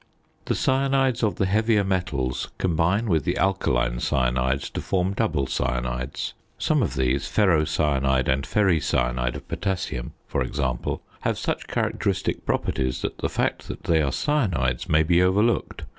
The cyanides of the heavier metals combine with the alkaline cyanides to form double cyanides. Some of these, ferrocyanide and ferricyanide of potassium for example, have such characteristic properties that the fact that they are cyanides may be overlooked.